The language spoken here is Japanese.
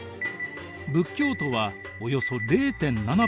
仏教徒はおよそ０．７％。